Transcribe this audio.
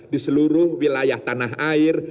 di seluruh wilayah tanah air